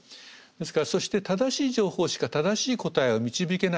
ですからそして正しい情報しか正しい答えは導けないわけですね。